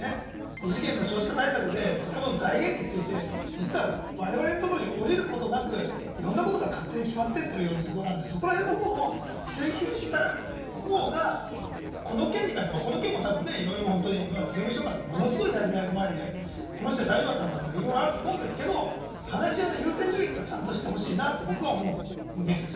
異次元の少子化対策でそこの財源について、実は我々のところにおりることなく、いろんなことが勝手に決まっているようなところもあるので、そこら辺を追及した方が、この件に関しても、この件もいろいろ本当に政務秘書官って、ものすごい大事な役回りで、この人で大丈夫だったのか？っていろいろあると思いますけれども、話し合いの優先順位をちゃんとしてほしいなと思います。